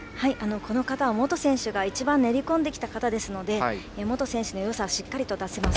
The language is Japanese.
この形は本選手が一番練り込んできた形ですので本選手のよさをしっかり出せます。